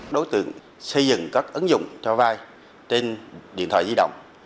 đối tượng xây dựng các ứng dụng cho vai trên điện thoại di động